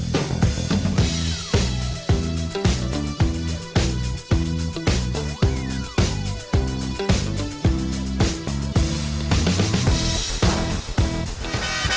โปรดติดตามตอนต่อไป